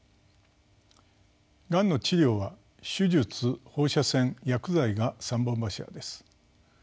がんの治療は手術放射線薬剤が三本柱です。